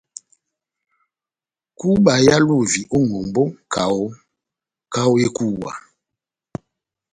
Kúba éhálovi ó ŋʼhombó kaho kaho ehuwa .